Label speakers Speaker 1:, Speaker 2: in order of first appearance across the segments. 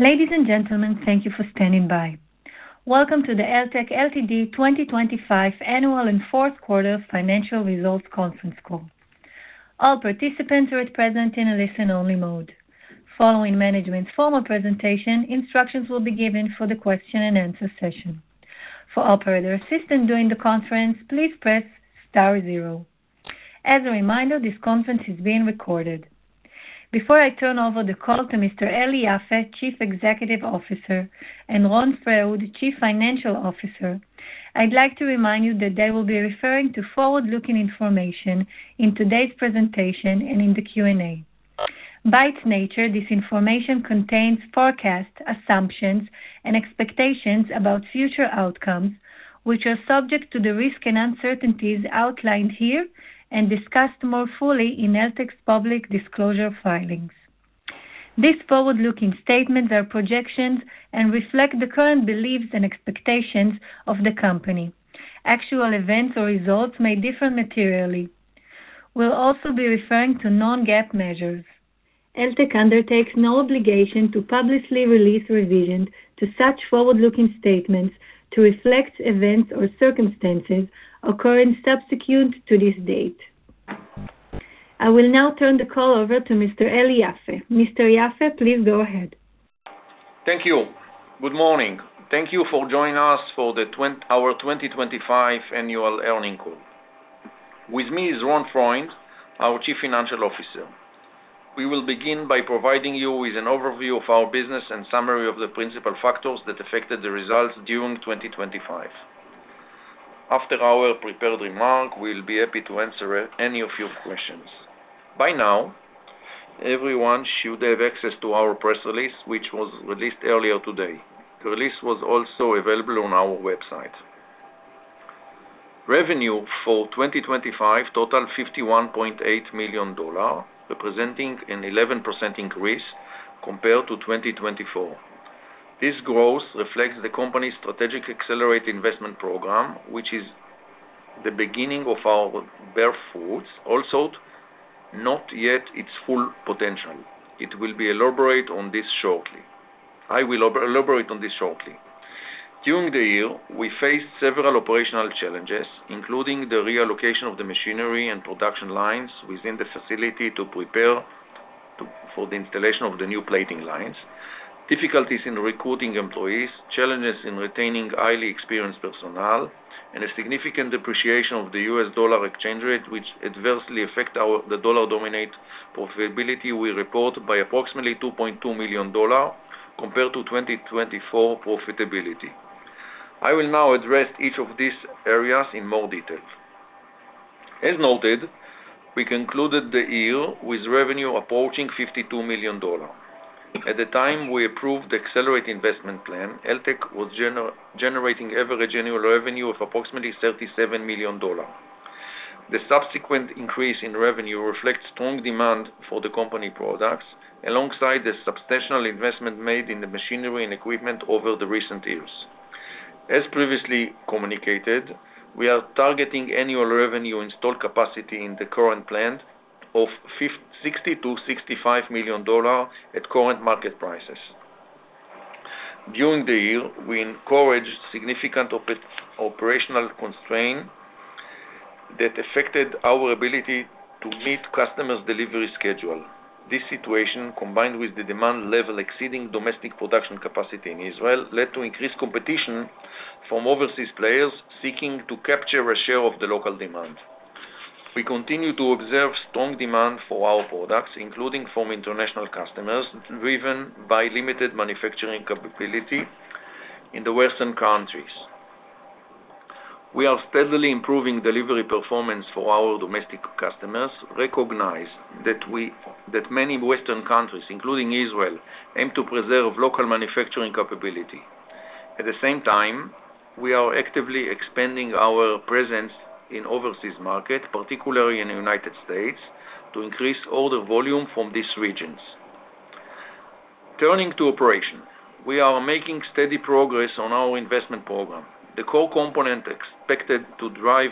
Speaker 1: Ladies and gentlemen, thank you for standing by. Welcome to the Eltek Ltd. 2025 annual and fourth quarter financial results conference call. All participants are at present in a listen-only mode. Following management's formal presentation, instructions will be given for the question-and-answer session. For operator assistance during the conference, please press star zero. As a reminder, this conference is being recorded. Before I turn over the call to Mr. Eli Yaffe, Chief Executive Officer, and Ron Freund, Chief Financial Officer, I'd like to remind you that they will be referring to forward-looking information in today's presentation and in the Q&A. By its nature, this information contains forecasts, assumptions, and expectations about future outcomes, which are subject to the risks and uncertainties outlined here and discussed more fully in Eltek's public disclosure filings. These forward-looking statements are projections and reflect the current beliefs and expectations of the company. Actual events or results may differ materially. We'll also be referring to non-GAAP measures. Eltek undertakes no obligation to publicly release revisions to such forward-looking statements to reflect events or circumstances occurring subsequent to this date. I will now turn the call over to Mr. Eli Yaffe. Mr. Yaffe, please go ahead.
Speaker 2: Thank you. Good morning. Thank you for joining us for our 2025 annual earnings call. With me is Ron Freund, our Chief Financial Officer. We will begin by providing you with an overview of our business and summary of the principal factors that affected the results during 2025. After our prepared remarks, we'll be happy to answer any of your questions. By now, everyone should have access to our press release, which was released earlier today. The release was also available on our website. Revenue for 2025 totaled $51.8 million, representing an 11% increase compared to 2024. This growth reflects the company's strategic accelerated investment plan, which is the beginning of our bear fruits, also not yet its full potential. It will be elaborate on this shortly. I will elaborate on this shortly. During the year, we faced several operational challenges, including the reallocation of the machinery and production lines within the facility to prepare for the installation of the new plating lines, difficulties in recruiting employees, challenges in retaining highly experienced personnel, and a significant depreciation of the US dollar exchange rate, which adversely affect the dollar-dominated profitability we report by approximately $2.2 million compared to 2024 profitability. I will now address each of these areas in more detail. As noted, we concluded the year with revenue approaching $52 million. At the time we approved the accelerated investment plan, Eltek was generating average annual revenue of approximately $37 million. The subsequent increase in revenue reflects strong demand for the company products, alongside the substantial investment made in the machinery and equipment over the recent years. As previously communicated, we are targeting annual revenue installed capacity in the current plant of $60 million-$65 million at current market prices. During the year, we encouraged significant operational constraint that affected our ability to meet customers' delivery schedule. This situation, combined with the demand level exceeding domestic production capacity in Israel, led to increased competition from overseas players seeking to capture a share of the local demand. We continue to observe strong demand for our products, including from international customers, driven by limited manufacturing capability in the Western countries. We are steadily improving delivery performance for our domestic customers, recognize that we that many Western countries, including Israel, aim to preserve local manufacturing capability. At the same time, we are actively expanding our presence in overseas market, particularly in the United States, to increase order volume from these regions. Turning to operation. We are making steady progress on our investment program. The core component expected to drive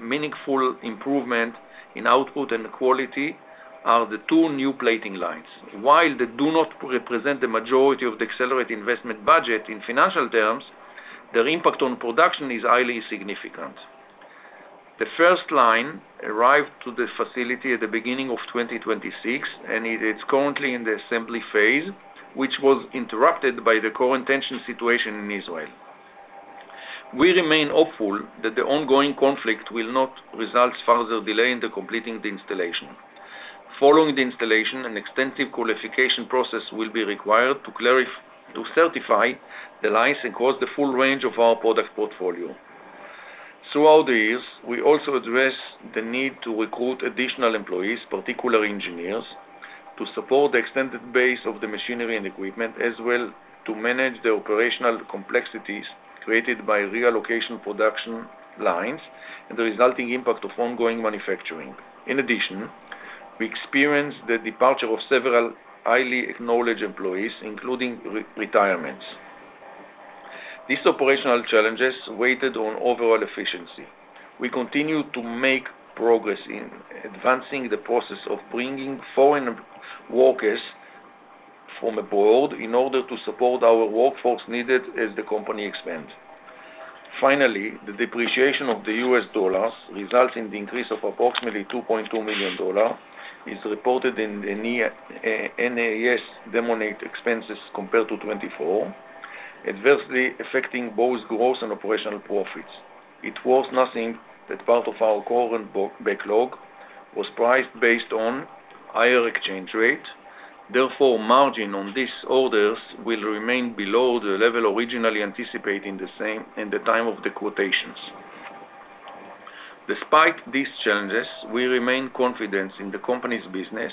Speaker 2: meaningful improvement in output and quality are the two new plating lines. While they do not represent the majority of the accelerate investment budget in financial terms, their impact on production is highly significant. The first line arrived to the facility at the beginning of 2026, it is currently in the assembly phase, which was interrupted by the current tension situation in Israel. We remain hopeful that the ongoing conflict will not result further delay in the completing the installation. Following the installation, an extensive qualification process will be required to certify the lines across the full range of our product portfolio. Throughout the years, we also address the need to recruit additional employees, particularly engineers, to support the extended base of the machinery and equipment, as well to manage the operational complexities created by reallocation production lines and the resulting impact of ongoing manufacturing. In addition, we experienced the departure of several highly acknowledged employees, including retirements. These operational challenges waited on overall efficiency. We continue to make progress in advancing the process of bringing foreign workers from abroad in order to support our workforce needed as the company expands. Finally, the depreciation of the US dollar results in the increase of approximately $2.2 million is reported in NIS-denominated expenses compared to 2024, adversely affecting both gross and operational profits. It was nothing that part of our current backlog was priced based on higher exchange rate. Margin on these orders will remain below the level originally anticipated in the time of the quotations. Despite these challenges, we remain confident in the company's business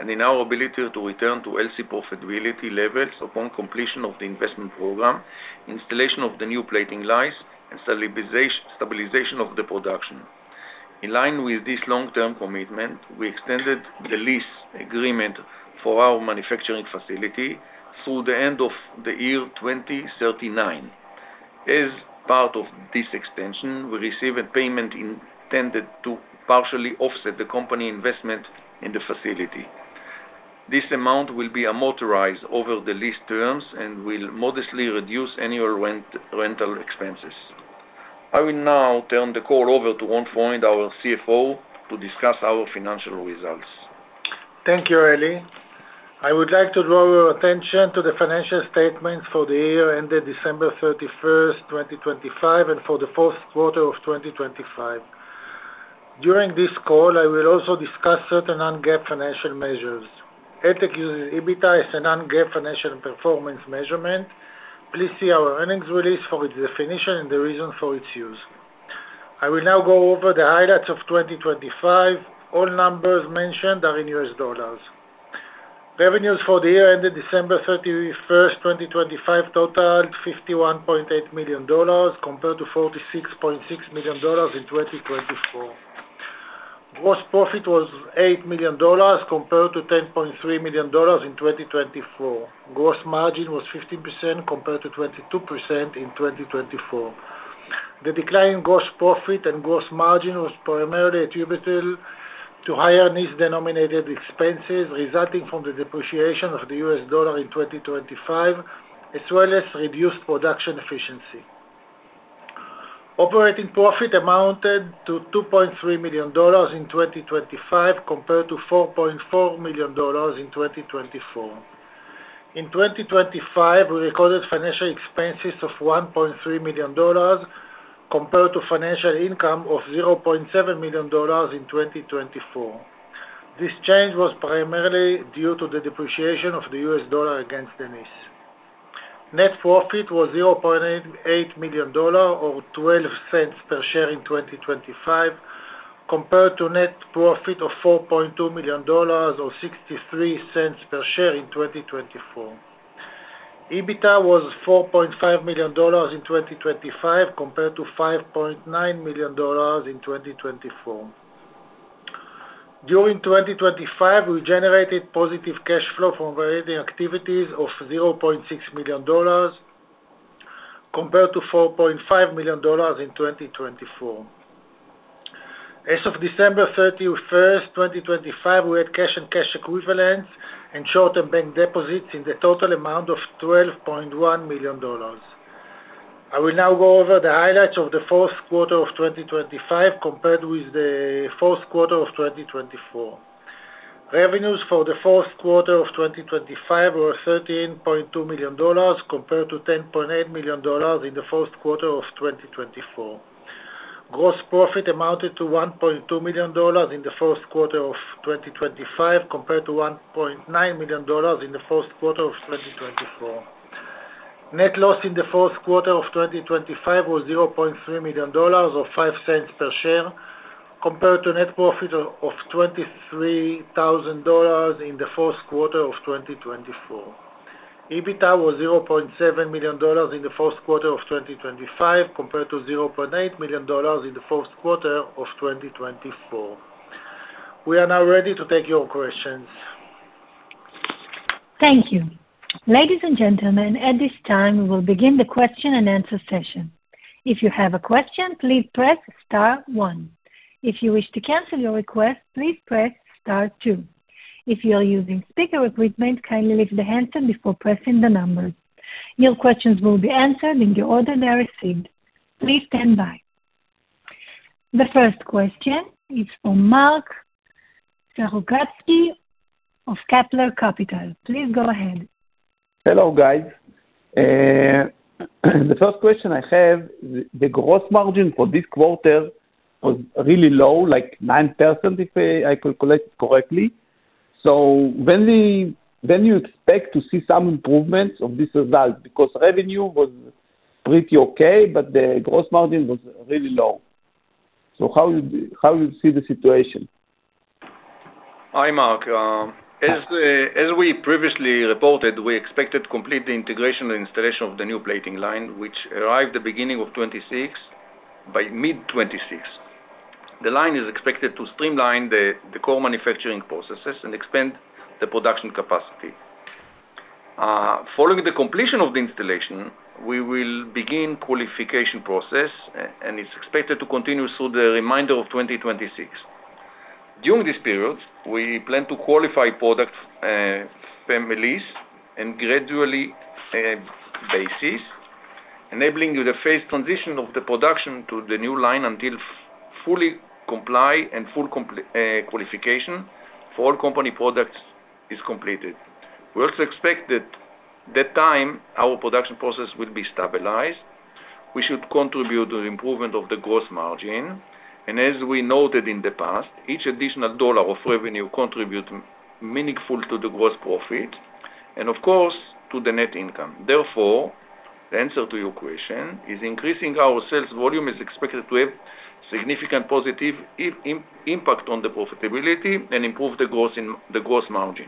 Speaker 2: and in our ability to return to healthy profitability levels upon completion of the investment program, installation of the new plating lines, and stabilization of the production. In line with this long-term commitment, we extended the lease agreement for our manufacturing facility through the end of the year 2039. As part of this extension, we received a payment intended to partially offset the company investment in the facility. This amount will be amortized over the lease terms and will modestly reduce annual rent, rental expenses. I will now turn the call over to Ron Freund, our CFO, to discuss our financial results.
Speaker 3: Thank you, Eli. I would like to draw your attention to the financial statements for the year ended December 31st, 2025, and for the fourth quarter of 2025. During this call, I will also discuss certain non-GAAP financial measures. Eltek uses EBITDA as a non-GAAP financial performance measurement. Please see our earnings release for its definition and the reason for its use. I will now go over the highlights of 2025. All numbers mentioned are in US dollars. Revenues for the year ended December 31st, 2025, totaled $51.8 million compared to $46.6 million in 2024. Gross profit was $8 million compared to $10.3 million in 2024. Gross margin was 15% compared to 22% in 2024. The decline in gross profit and gross margin was primarily attributable to higher NIS-denominated expenses resulting from the depreciation of the US dollar in 2025, as well as reduced production efficiency. Operating profit amounted to $2.3 million in 2025 compared to $4.4 million in 2024. In 2025, we recorded financial expenses of $1.3 million compared to financial income of $0.7 million in 2024. This change was primarily due to the depreciation of the US dollar against the NIS. Net profit was $0.8 million or $0.12 per share in 2025, compared to net profit of $4.2 million or $0.63 per share in 2024. EBITDA was $4.5 million in 2025 compared to $5.9 million in 2024. During 2025, we generated positive cash flow from operating activities of $0.6 million compared to $4.5 million in 2024. As of December 31st, 2025, we had cash and cash equivalents and short-term bank deposits in the total amount of $12.1 million. I will now go over the highlights of the fourth quarter of 2025 compared with the fourth quarter of 2024. Revenues for the fourth quarter of 2025 were $13.2 million compared to $10.8 million in the fourth quarter of 2024. Gross profit amounted to $1.2 million in the fourth quarter of 2025 compared to $1.9 million in the fourth quarter of 2024. Net loss in the fourth quarter of 2025 was $0.3 million or $0.05 per share, compared to net profit of $23,000 in the fourth quarter of 2024. EBITDA was $0.7 million in the fourth quarter of 2025 compared to $0.8 million in the fourth quarter of 2024. We are now ready to take your questions.
Speaker 1: Thank you. Ladies and gentlemen, at this time we will begin the question-and-answer session. If you have a question, please press star one. If you wish to cancel your request, please press star two. If you are using speaker equipment, kindly lift the handset before pressing the numbers. Your questions will be answered in the order they are received. Please stand by. The first question is from Mark Sharogradsky of Kepler Capital. Please go ahead.
Speaker 4: Hello, guys. The first question I have, the gross margin for this quarter was really low, like 9%, if I calculate correctly. When do you expect to see some improvements of this result? Because revenue was pretty okay, but the gross margin was really low. How do you see the situation?
Speaker 2: Hi, Mark. As we previously reported, we expected to complete the integration and installation of the new plating line, which arrived the beginning of 2026 by mid-2026. The line is expected to streamline the core manufacturing processes and expand the production capacity. Following the completion of the installation, we will begin qualification process, and it's expected to continue through the remainder of 2026. During this period, we plan to qualify product families and gradually basis, enabling the phase transition of the production to the new line until fully comply and full qualification for all company products is completed. We also expect that time our production process will be stabilized. We should contribute to the improvement of the gross margin. As we noted in the past, each additional dollar of revenue contribute meaningful to the gross profit and of course to the net income. The answer to your question is increasing our sales volume is expected to have significant positive impact on the profitability and improve the gross margin.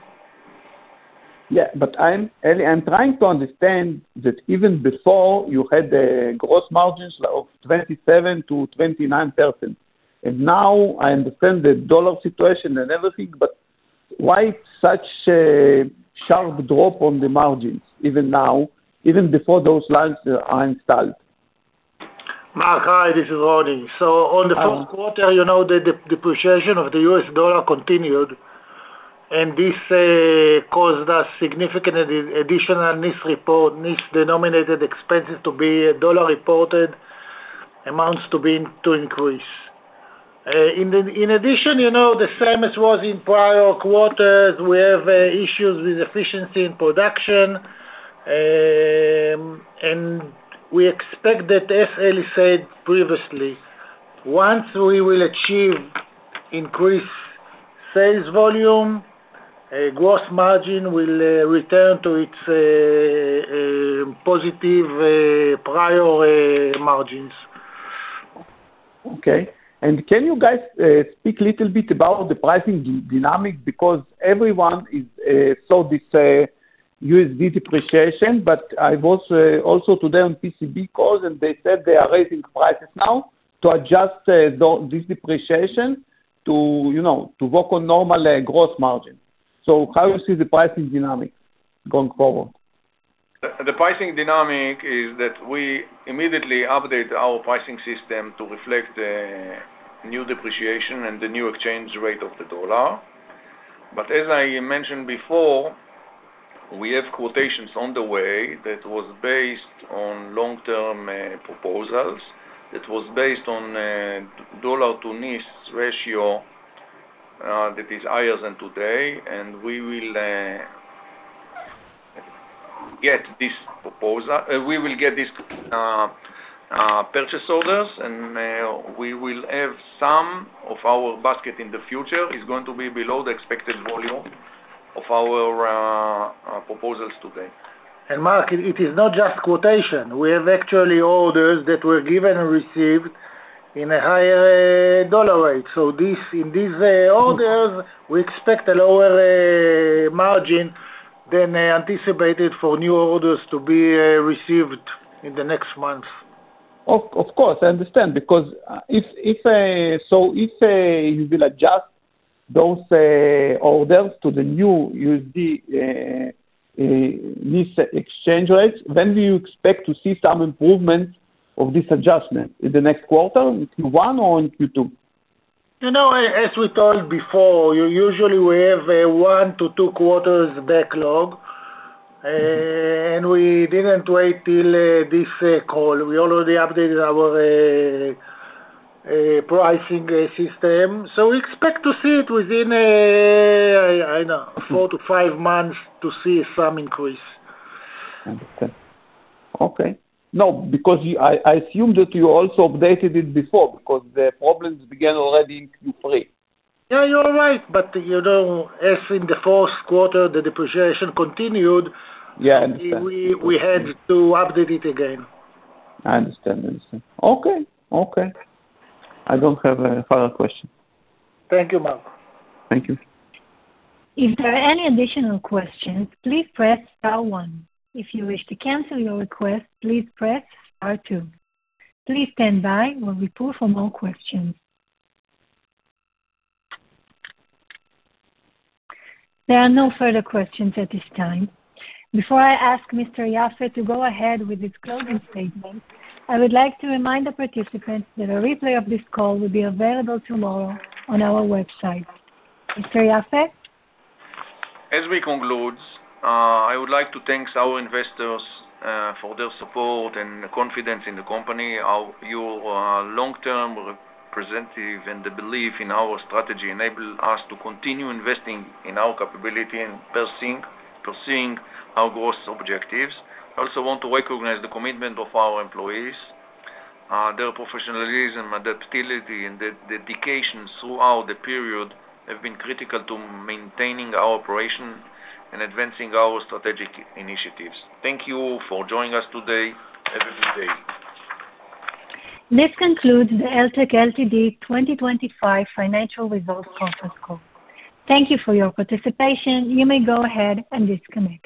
Speaker 4: Yeah, Eli, I'm trying to understand that even before you had a gross margins of 27%-29%, now I understand the dollar situation and everything, why such a sharp drop on the margins even now, even before those lines are installed?
Speaker 3: Mark, hi, this is Roni. On the first quarter, you know the depreciation of the US dollar continued, this caused a significant additional Nis report, NIS-denominated expenses to be dollar reported amounts to be, to increase. In addition, you know, the same as was in prior quarters, we have issues with efficiency in production, we expect that, as Eli said previously, once we will achieve increased sales volume, a gross margin will return to its positive prior margins.
Speaker 4: Okay. Can you guys speak a little bit about the pricing dynamic? Everyone saw this USD depreciation, but I was also today on PCB call, and they said they are raising prices now to adjust this depreciation to, you know, to work on normal gross margin. How you see the pricing dynamic going forward?
Speaker 2: The pricing dynamic is that we immediately update our pricing system to reflect the new depreciation and the new exchange rate of the US dollar. As I mentioned before, we have quotations on the way that was based on long-term proposals, that was based on US dollar to NIS ratio, that is higher than today, and we will get this proposal. We will get this purchase orders, and we will have some of our basket in the future is going to be below the expected volume of our proposals today.
Speaker 3: Mark, it is not just quotation. We have actually orders that were given and received in a higher dollar rate. This, in these orders, we expect a lower margin than anticipated for new orders to be received in the next months.
Speaker 4: Of course, I understand. Because, if, so if, you will adjust those orders to the new USD, NIS exchange rate, when do you expect to see some improvement of this adjustment? In the next quarter, in Q1 or in Q2?
Speaker 3: You know, as we told before, usually we have a one to two quarters backlog, and we didn't wait till this call. We already updated our pricing system. We expect to see it within, I don't know, four to five months to see some increase.
Speaker 4: I understand. Okay. No, because I assumed that you also updated it before because the problems began already in Q3.
Speaker 3: Yeah, you're right. You know, as in the fourth quarter, the depreciation continued-
Speaker 4: Yeah, I understand....
Speaker 3: we had to update it again.
Speaker 4: I understand. I understand. Okay. Okay. I don't have a further question.
Speaker 3: Thank you, Mark.
Speaker 4: Thank you.
Speaker 1: If there are any additional questions, please press star one. If you wish to cancel your request, please press star two. Please stand by while we pull for more questions. There are no further questions at this time. Before I ask Mr. Yaffe to go ahead with his closing statement, I would like to remind the participants that a replay of this call will be available tomorrow on our website. Mr. Yaffe?
Speaker 2: As we conclude, I would like to thank our investors for their support and confidence in the company. Your long-term representative and the belief in our strategy enable us to continue investing in our capability and pursuing our growth objectives. I also want to recognize the commitment of our employees. Their professionalism, adaptability, and dedication throughout the period have been critical to maintaining our operation and advancing our strategic initiatives. Thank you for joining us today. Have a good day.
Speaker 1: This concludes the Eltek Ltd. 2025 financial results conference call. Thank you for your participation. You may go ahead and disconnect.